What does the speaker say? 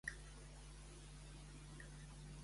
On va anar a parar, Izanagui?